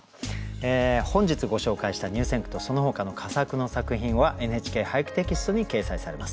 本日ご紹介した入選句とそのほかの佳作の作品は「ＮＨＫ俳句」テキストに掲載されます。